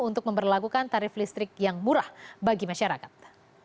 untuk memperlakukan tarif listrik yang murah bagi masyarakat